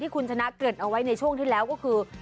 คุณชนะเกริ่นเอาไว้ในช่วงที่แล้วก็คือ